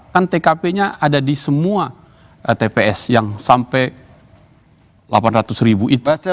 kan tkp nya ada di semua tps yang sampai delapan ratus ribu itu